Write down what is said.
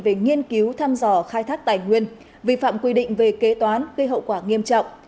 về nghiên cứu thăm dò khai thác tài nguyên vi phạm quy định về kế toán gây hậu quả nghiêm trọng